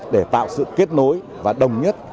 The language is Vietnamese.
để tạo sự kết nối và đồng nhất